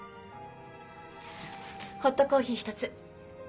ホットコーヒー１つ。